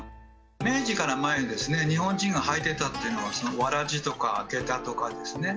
明治から前にですね日本人が履いてたっていうのは草鞋とか下駄とかですね